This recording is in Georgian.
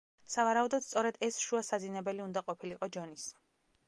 სავარაუდოდ სწორედ ეს შუა საძინებელი უნდა ყოფილიყო ჯონის.